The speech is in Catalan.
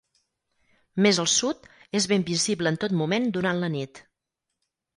Més al sud, és ben visible en tot moment durant la nit.